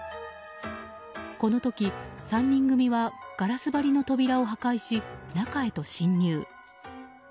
この時、３人組はガラス張りの扉を破壊し中へと侵入。